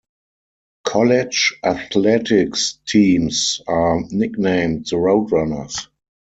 College athletics teams are nicknamed the Roadrunners.